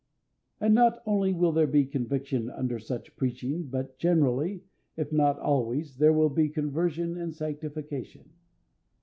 And not only will there be conviction under such preaching, but generally, if not always, there will be conversion and sanctification.